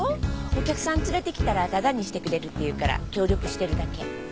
お客さん連れてきたらタダにしてくれるっていうから協力してるだけ。